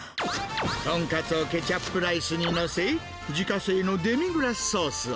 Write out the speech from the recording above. トンカツをケチャップライスに載せ、自家製のデミグラスソースを。